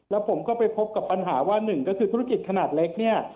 แล้วผมก็ไปพบกับปัญหาว่าหนึ่งก็คือธุรกิจขนาดเล็กเนี่ย